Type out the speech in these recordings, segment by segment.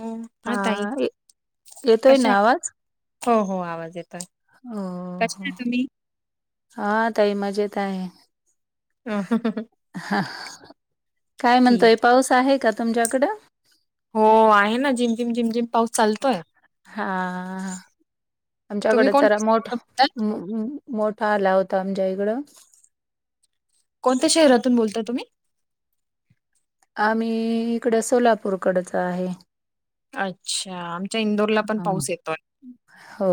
हो हा ताई येतोय कशा ना आवाज? हो, हो आवाज येतोय. हो, कशा हो.. आहे तुम्ही हां, ताई मजेत आहे. [unintelligible] काय म्हणतोय, ठीक पाऊस आहे का तुमच्याकडं? हो आहे ना, जिमझिम झिमझिम पाऊस चालतोय. हां.. तुम्ही आमच्याकडे कोणत्या जरा मोठा शहरातून बोलताय मु हम्, मोठा आला होता आमच्या इकडं. कोणत्या शहरातून बोलताय तुम्ही? आम्ही इकडं सोलापूरकडच आहे. अच्छा इंदोरला पण पाऊस [unintelligible] येतोय हो,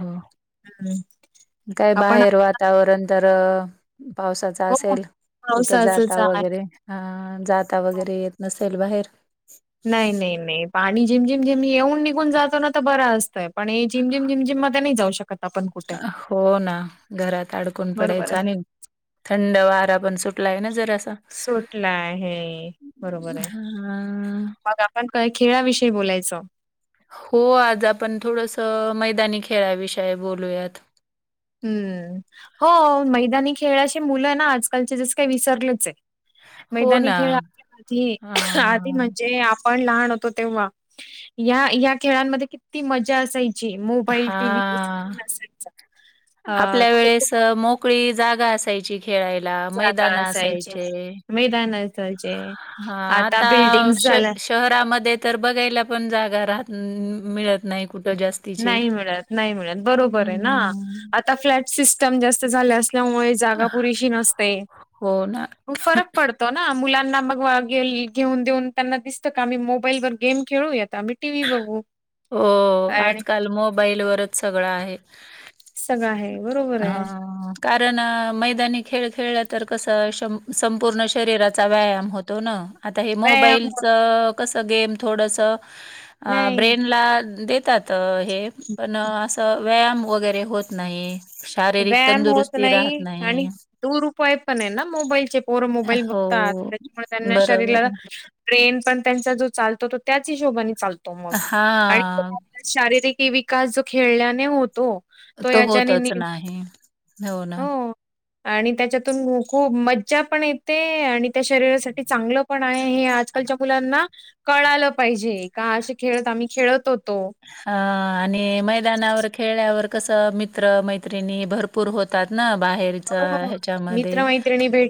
हो. हम्म काय आपण बाहेर वा वातावरण तर पावसाचं हो असेल कुठं पावसाचच जाता आहे वगैरे अ--जाता वगैरे येत नसेल बाहेर. नाही, नाही, नाही पाणी झिमझिम झिम येवून निघून जातो ना बरं असतंय. पण हे झिमझिम झिमझिम मध्ये नाही जाऊ शकत आपण कुठं. हो ना, घरात अडकून बरोबर पडायच आहे आणि थंड वारा पण सुटलाय ना जरासा. तुटलाय. हे बरोबर हय. अ मग आपण काय खेळाविषयी बोलायचं? हो, आज आपण थोडसं मैदानी खेळाविषयी बोलूयात. हम्म, हो मैदानी खेळाशी मुलं ना आजकालची जसं काही विसरलेच हय. हो मैदानी ना. खेळ आपल्या आधी अ, आधी म्हणजे आप पण लहान होतो तेंव्हा, या या खेळांमध्ये किती मजा असायची ची मोबाईल टी व्ही हां. नसायचा. अ, आपल्या खूप खूप वेळेस मोकळी जागा असायची. खेळायला जागा मैदान असायची. असायचे. मैदान असायचे. आता बिल्डिंगस श झाल्या. शहरामध्ये तर बघायला पण जागा राह मिळत नाही कुठं जास्त. नाही मिळत, नाही मिळत बरोबर आहे ना? हम्म. आता फ्लॅट सिस्टम जास्त झाले असल्यामुळे जागा पुुरीशी नसते. हो ना. मग फरक पड तो ना मुलांना मग घेऊन देऊन त्यांना दिसतं का? आम्ही मोबाईल वर गेम खेळूयात आम्ही टी व्ही बघू. हो. आणि आजकाल मोबाईलवरच सगळं आहे. सगळं आहे बरोबर आहे हां कारण मैदानी खेळ खेळला तर कसं शम संपूर्ण शरीराचा व्यायाम होतो ना. आता हे व्यायाम होत मोबाईलचं कसं गेम थोडसं अ नाही ब्रेन ला देतात हे पण असं व्यायाम वगैरे होत नाही. शारीरिक व्यायाम होत तंदुरुस्ती राहत नाही आणि दुरुपयोग पण आहे ना मोबाईलचे पोर अ, मोबाईल हो, बघत त्यांच्यामुळे त्यांना बरोबर. शरीराला ब्रेन पण त्यांचा जो चालतो तो त्याच हिशोबाने चालतो मग. हां, आणि शारीरिक विकास जो खेळल्याने होतो. तो त याच्याने होतच नि- नाही होऊ ना. हो. आणि त्यांच्यातून खूप मज्जा पण येते, आणि त्या शरीरासाठी चांगलं पण आहे हे आज आजकालच्या मुलांना कळालं पाहिजे का असे खेळत आम्ही खेळत होतो. हा आणि मैदानावर खेळल्यावर कसं मित्र मैत्रिणी भरपूर पूर होतात ना बाहेरचा ह्याच्यामध्ये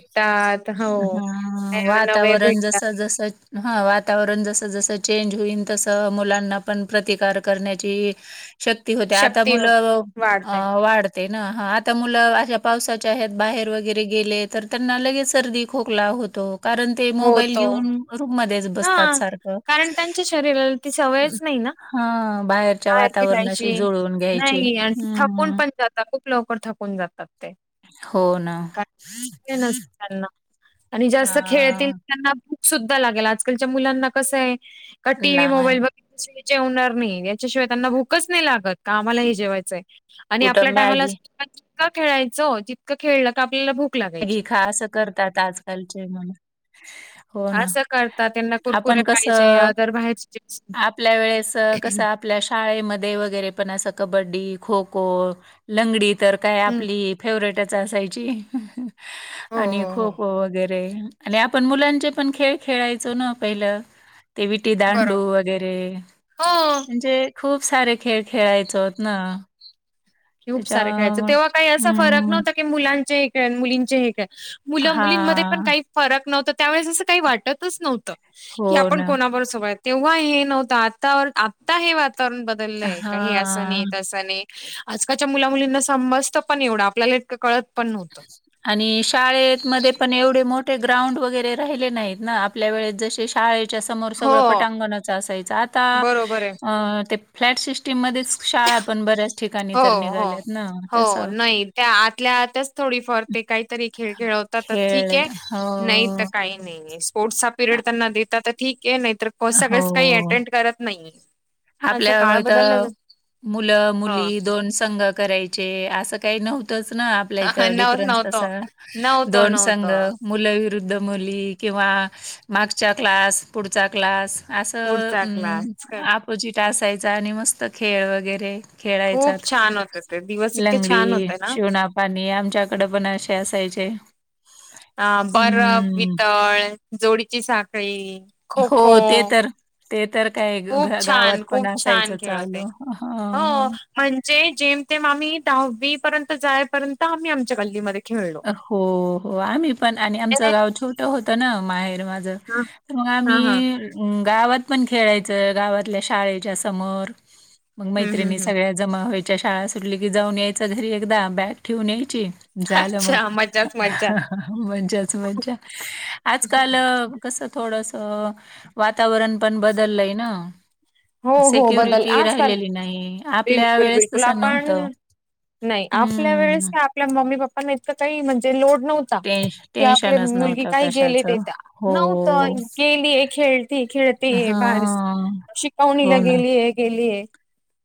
त्या हा वातावरण जस जस हां वातावरण जसं जसं चेंज होईन तसं मुलांना पण प्रतिकार करण्याची. शक्ती होते आता शक्ती मुलं वाढते वाढ ते ना आता मुलं अशा पावसाच्या ह बाहेर वगैरे गेले तर त्यांना लगेच. सर्दी खोकला होतो कारण ते मोबाईल होतो घेऊन रूम म बसतात हा. सारखं कारण त्यांच्या शरीराला ती सवयच नाही ना हा बाहेरच्या बाहेर वातावरणाशी खेळायची. जुळवून घ्यायची हम्मम्. जात खूप लवकर थकुन जातात ते. हो ना का आणि जास्त खेळतील हा त्यांना [inaudible] सुद्धा लागेल आजकालच्या मुलांना कसं आहे का टीव्ही नाही मोबाईल बघितल्याशिवाय जेवणार नाही, याच्याशिवाय त्यांना भूकच नाही लागत का आम्हाला हे जेवायचंय. आणि आपल्या कुठं टायमाला मॅगी असं जितक खेळायचं जितकं खेळलं का आपल्याला भूक घे लागायची. खा असं करतात आजकालचे मुलं. हो ना असं करतात त्यांना कुरकुरे आपण कस पाहिजे अदर बाहेरचे चिप्स आपल्या वेळेस कसं- आपल्या शाळेमध्ये वगैरे पण असं कबड्डी खो -खो लंगडी तर काय हं. आपली, फेवरेटच असायची हो, आणि हो, खो हो. -खो वगैरे, आणि आपण मुलांचे पण खेळ खेळायचो ना पहिलं. ते विटी दांडू बरोबर. वगैरे हो. म्हणजे, खूप सारे खेळ खेळायचो चोत ना. खूप सारे खेळायचो त्याच्यामुळं तेव्हा काही असा फरक हं. नव्हता की मुलांचे हे खेळ अन मुलींचे हे खेळ. मुलं मुलींमध्ये पण हां. काही फरक नव्हता त्यावेेळेस असं काही वाटतच नव्हतं हो की आपण ना. कोणाबरोबर- तेव्हा हे नव्हतं आता, आता हे वातावरण बदल- बदलय काही असं हां. नाही तस नाही. आजकालच्या मुला मुलींना समजतं पण एवढं आपल्याला इतकं कळत पण नव्हतं. आणि शाळमध्येध्ये पण एवढे मोठे ग्राउंड वगैरे राहिले नाहीत ना आपल्या वेळेस जसे शाळेत- च्यासमोर हो सगळं पटांगणच असायचं आता बरोबर आहे. ते फ्लॅट शिष्टीम- टिम मध्येच शाळा पण बऱ्याच ठिकाणी हो तर हो निघाल्यात ना हो तसं- नाही त्या आतल्या आतच थोडीफार ते काहीतरी खेळ खेळवतात खेळ ठीक आहे नाही तर हो. काही. नाही नाही स्पोर्ट्सचा पिरियड त्यांना देता तर ठीक आहे नाही तर- हो आ सगळंच काही हो. अटेन्ड करत नाही अस आपल्या काळ- बदलला मुलं ह मुली दोन संघ करायचे असं काही नव्हतंच ना आपल्या इथं नव्हत डिफरन्स नव्हतं तसा नव्हतं दोन संघ- नव्हतं मुलं विरुद्ध मुली किंवा मागचा क्लास पुढचा क्लास. पुढचा क्लास असं अपोजिट असायचं आणि मस्त खेळ वगैरे- खेळायचा खूप छान होत ते दिवस इतके लंगडी छान होते ना शिवणा- पाणी, आमच्याकडे पण असे असायचे. अ.. बरफ, हम्म. वितळ जोडीची साखळी. खो हो... खो ते तर. ते.. तर काय खूप छान गावात पण खूप छान असायचं खेळ होते चालू. हो ह.... म्हणजे, जेम तेम आम्ही दहावी पर्यंत जायपर्यंत, आम्ही आमच्या गल्लीमध्ये खेळलो हो... हो... आम्ही पण आणि हा आमचं गाव छोट होतं ना. माहेर माझ मग हा हा आम्ही.... गावात पण खेळायचं. गावातल्या शाळेच्या समोर, मग हम्म मैत्रिणी हम्म हम्म सगळ्या जमा व्हायच्या शाळा सुटली की, जाऊन यायच घरी एकदा बॅग ठेवून यायची झालं. मग, अच्छा ह.. मज्जाच मज्जा ह.. ह.. मज्जाच.. मज्जा.. आजकाल कसं थोडस, वातावरण पण बदललय ना? हो हो बदल सिक्युरिटी आजकाल राहिलेली नाही. आपल्या बिलकुल वेळेस बिलकुल तसं नव्हतं. आपण नाही आपल्या वेळेस हम्म.... काय आपल्या मम्मी पप्पाना इतंक काही म्हणत. लोड नव्हता. टेन्श कि, आपले टेन्शनच मुलगी नव्हतं काही गेले ते लेेट कशाचं. येता. हो. नव्हत. गेली खेळ खेळतीय बाहेर, हां. शिकवणीला हो ना. गेलीय... गेलीय...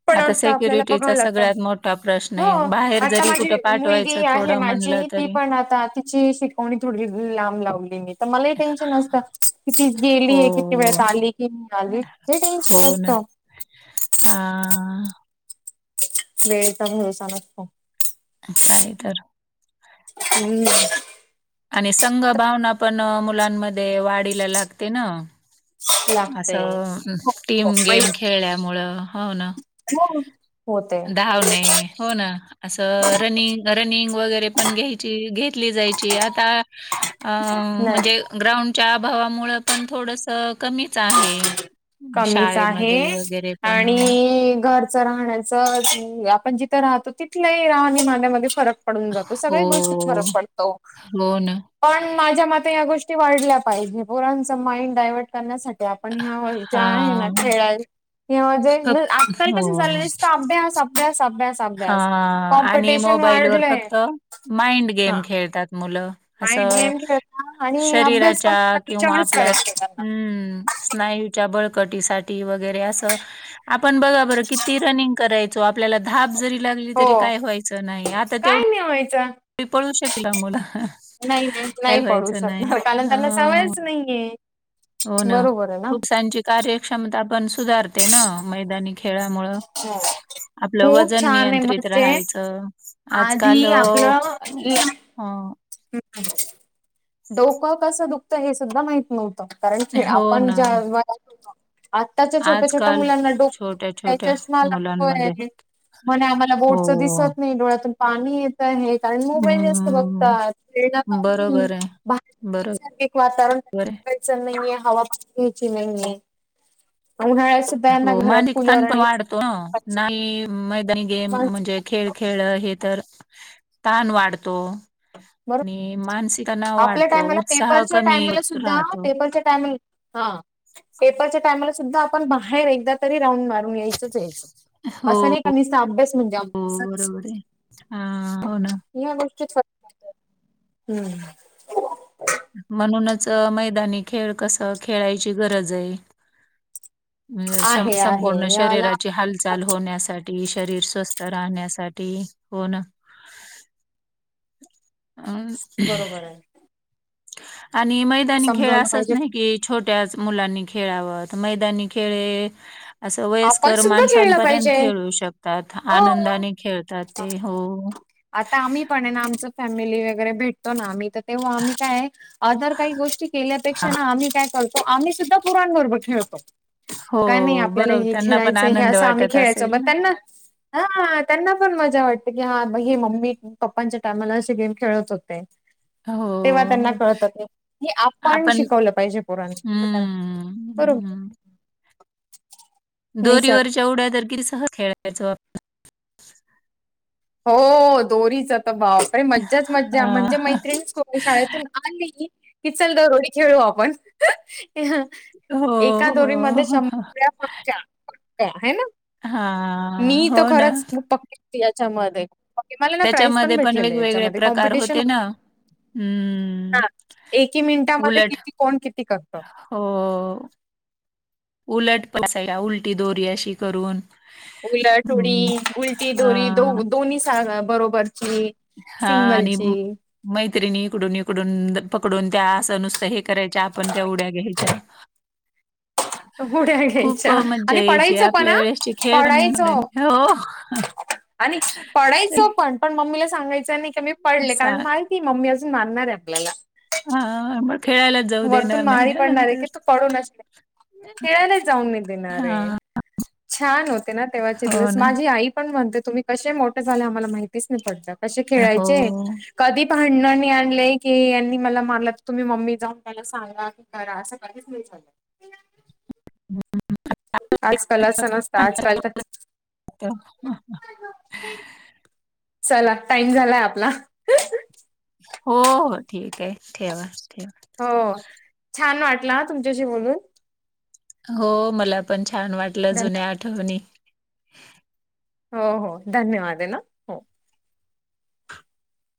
पण, आता आपल्याला बघावं सिक्युरिटीचा लागत. सगळ्यात मोठा प्रश्न हो, आहे. बाहेर आता जरी माझी कुठे मुलगी पाठवायचं आहे. थोडं म्हणलं माझी... ती तरी पण आता, तिची शिकवणी थोडी लांब लावली मी. तर मला ही टेन्शन असत. कि ती गेली हो. आहे, किती वेळात आली की नाही, आली हे टेन्श हो.. ना. हा... वेळचा भरोसा नसतो. काय, तर हम्म... आणि संघभावना पण मुलांमध्ये वाढीला लागते ना. लागतय. असं, हो टीम हो पै गेम खेळल्यामुळं. हो... ना हो... होते धावणे. हो.... ना असं, रनिंग, रनिंग वगैरे पण घ्यायची घेतली जायची. आता... अ... नाही म्हणजे? ग्राउंडच्या अभावामुळे पण थोडस कमीच आहे. कमीच आहे... शाळेमध्ये वगैरे पण अ, आणि घर [inaudible] राह आपण जिथ राहतो, तिथ राह आणि मान्यामध्ये फरक. पडून जातो. हो, सगळ्या गोष्टी फरक पडतो. हो ना. पण माझ्या मते, या गोष्टी वाढल्या पाहिजे. परणच माइंड डायवर्ट करण्यासाठी, आपण ह्या आहे ना हां. खेळा, हे फक्त आजकाल हो. कस झालंसत अभ्यास... अभ्यास... अभ्यास... हा... अभ्यास आणि कॉम्पिटिशन मोबाईलवरर वाढलंय फक्त माइंड हा गेम खेळतात. मुलं माइंड असं, गेम खेळता आणि अभ्यास पण शरीराच्या किंवा त्याच्यावरच आपल्या करायच त्यांना हम्... स्नायूच्या बळकटीसाठी वगैरे असं आप आपण बघा बरं, किती रनिंग करायचो, आपल्याला धाप जरी लागली तरी काय व्हायचं नाही. आता तेवढ नेवायचा... री पळू शकला मुला. नाही काय नाही पडू व्हायचं नाही. शकणार कारण ह.... त्यांना सवयच नाहीये हो... ना बरोबर आहे ना. पुरसांची कार्यक्षमता पण सुधारते ना. मैदानी खेळमूळ... आपलं खूप वजन छान आहे नियंत्रित म्हणजे राहायचं. आजकाल... आधी आपलं हा.... [inaudible] डोकं कसं दुखतं हे सुद्धा माहित नव्हतं कारण की हो आपण ना ज्या विभागातून आत्ताच्या छोट्या छोट्या आजकाल मुलांना छोट्या डोकतोय छोट्या चष्मा मुलांमध्ये लागतोय. म्हणे आम्हाला हो बोर्डच दिसत नाय डोळ्यातून पाणी येत आहे कारण मोबाईल जास्त हम्म बघतात खेळन कमी. बरोबर आहे बरोबर सारखे वातावरण आहे. च नाही ए हवा नाहीे ए उन्हाळ्यात यांना हो घरात मानिक कूलर तण पण आणि वाढतो ना नाही मैदानी गेम म्हणजे खेळ खेळ हे तर तहाण वाढतो. बरोबर आणि मानसिक अणाव आपल्या वाढतो उत्साह कमी राहतो. बचत आणि हा पेपरच्या टायमाला सुद्धा आपण बाहेर एकदा तरी राऊंड मारून यायचच आय. हो असं नाइका नीस्त अभ्यास म्हणजे हो अभ्यासच. बरोबर आहे. हा हो ना या गोष्टीत, हम्म. म्हणूनच मैदानी खेळ कस खेळायची गरज आय. आहे आहे संपूर्ण याला शरीराची हालचाल होण्यासा ठी शरीर स्वस्थ राहण्यासाठी हो ना. [inaudible] बरोबर आय. आणि मैदानी खेळ समजावलं असाच पाहिजे नाय की छोट्याच मुलांनी खेळावत मैदानी खेळ असं आपण वयस्कर सुद्धा खेळलं माणसांपर्यंत पाहिजे खेळू शकतात हो आनंदाने खेळतात ते हो. आता आम्ही पण ए ना आमच फॅमिली वगैरे भेटतो ना आम्ही तर तेव्हा आम्ही काय अदर काही गोष्टी हा. केल्यापेक्षा ना आम्ही काय कर तो आम्ही सुद्धा पोरांन बरोबर खेळतो. हो. काय नाही आपल्याला बरोबर हे त्यांना पण खेळायचं हे आनंद असं आम्ही वाटत खेळायचो असेल म ना त्यांना हा त्यांना पण मजा वाटते की हा मम्मी पप्पांच्या टायमाला अशे गेम खेळत होते. तेव्हा त्यांना हो. कळत की आपण शिकवलं पाहिजे पोरांना हम्म, बरोबर. हं. निसर्ग दोरीवरच्या उड्या तर किरी सहज खेळायचो आपण. हो दोरीच तर बाप रे मज्जाच मज्जा म्हणजे हां. मैत्रिणीच करून शाळेत आली की चल दोरोडी खेळू आपण. हो हो हो. हाय ना? हा. मी तर खरंच पक्की याच्यामध्ये मला ना प्राईज पण त्याच्यामध्ये भेटलेल वेगवेगळे याच्यामध्ये प्रकार कॉम्पिटिशन होते ना. हम्म. हा एकी मिनिटामध्ये उलट किती कोण किती करत. हो उलट उलटी दोरी अशी करून उलटउडी हं, उलटी दोरी हां. दो- दोन्ही साग बरोबरची. हा आणि सिंगलची मैत्रिणी इकडून इकडून पकडून त्या असं नुस त हे करायच्या आपण त्या उड्या घ्यायच्या. उड्या खूप घ्यायच्या मज्जा आणि यायची पडायचो पण आपल्या हा वेळेसचे खेळ पण पडायचो पण हो. आणि पडायचो पण पण मम्मीला सांगायचं नाही की मी पडले, सा कारण माहिती मम्मी अजून मरणार आहे आपल्याला हा [unintelligible] वरतून आई म्हणणार आहे की तू पडूनच खेळाला जाऊन मी देणार आहे. हां, छान होते ना तेव्हाचे हो दिवस ना. माझी आई पण म्हणते तुम्ही कसे मोठे झाले आम्हाला माहितीच नाही पडल, कसे हो. खेळायचे कधी भांडण नाही आणलंय की यांनी मला मारल की तुम्ही मम्मी जाऊन त्याला सांगा की करा असं कधीच नाही झालं. ते आजकाल असं नसतं पण आजकाल तर [unintelligible] चला टाइम झालाय आपला हो हो ठीक आहे ठेवा ठेवा. हो छान वाटल हा तुमच्याशी बोलून. हो मला पण छान वाटलं धन्यवाद जुन्या आठवणी. हो हो धन्यवाद आहे ना. हो.